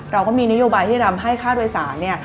เราก็มีนโยบายที่ทำให้ค่าโดยสารเนี่ย